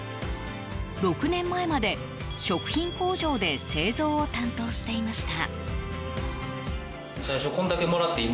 ６年前まで、食品工場で製造を担当していました。